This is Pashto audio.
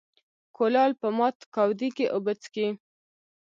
ـ کولال په مات کودي کې اوبه څکي.